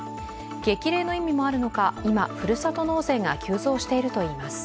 激励の意味もあるのか、今、ふるさと納税が急増しているといいます。